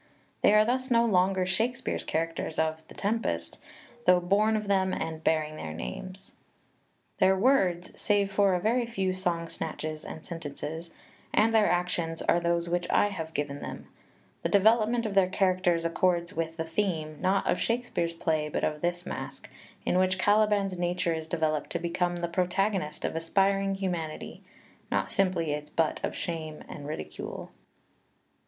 They are thus no longer Shake speare's characters of "The Tempest," though born of them and bearing their names. Their words [save for a very few song snatches and sentences] and their actions are those which I have given xvi PREFACE them; the development of their characters accords with the theme not of Shakespeare's play but of this Masque, in which Caliban's nature is developed to become the protagonist of aspiring humanity, not simply its butt of shame and ridicule.